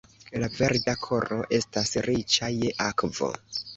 La Verda Koro estas riĉa je akvo.